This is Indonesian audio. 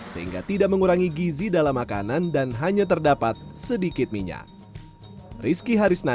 sehingga tidak mengurangi gizi dalam makanan dan hanya terdapat sedikit minyak